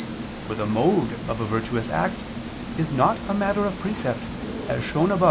For the mode of a virtuous act is not a matter of precept, as shown above (A.